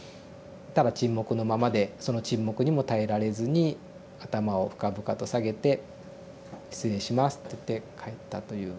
ただ沈黙のままでその沈黙にも耐えられずに頭を深々と下げて「失礼します」っていって帰ったという経験がありました。